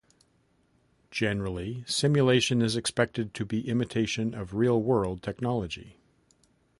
Generally, simulation is expected to be imitation of real-world technology.